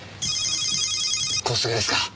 小菅ですか？